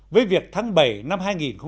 với việc tháng bảy năm hai nghìn một mươi tám